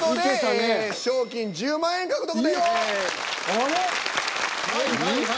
あれ？